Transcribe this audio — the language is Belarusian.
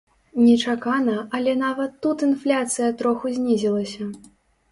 Нечакана, але нават тут інфляцыя троху знізілася!